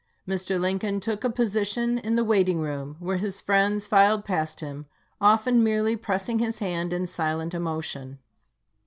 Mr. Lincoln took a position in the waiting room, where his friends filed past him, often merely pressing his hand in silent emotion.